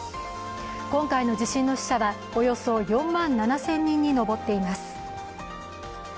今回の地震の死者はおよそ４万７０００人に上っています。